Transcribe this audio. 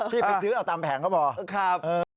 พี่ไปซื้อเอาตามแผงก็พอ